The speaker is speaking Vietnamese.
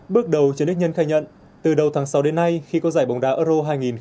bước đầu trần đức nhân khai nhận từ đầu tháng sáu đến nay khi có giải bóng đá euro hai nghìn hai mươi